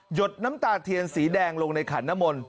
ดน้ำตาเทียนสีแดงลงในขันนมล